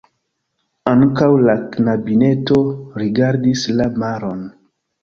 Ankaŭ la knabineto rigardis la maron.